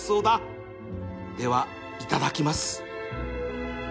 ではいただきます